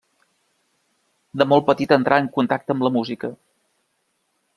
De molt petit entrà en contacte amb la música.